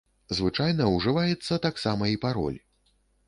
Звычайна ўжываецца таксама і пароль.